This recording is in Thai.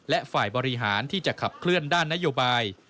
และฝ่ายบริหารที่จะขับเคลื่อนด้านนโยบาย